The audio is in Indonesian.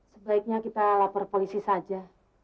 sebaiknya kita lapor polisi saja